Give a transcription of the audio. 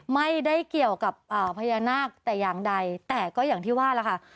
ไม่ได้เกี่ยวกับพญานาคแต่อย่างใดแต่ก็อย่างที่ว่าล่ะค่ะ